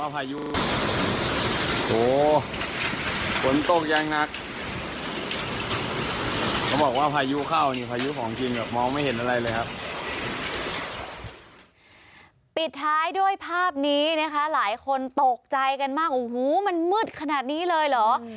ปิดท้ายด้วยภาพนี้นะคะหลายคนตกใจกันมากโอ้โหมันมืดขนาดนี้เลยเหรอ